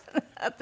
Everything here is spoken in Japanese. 私。